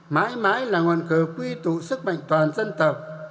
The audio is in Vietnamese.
mãi mãi là nguồn cờ quy tụ sức mạnh toàn dân tộc